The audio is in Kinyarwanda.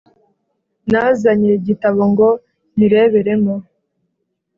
Nazanye igitabo ngo nyireberemo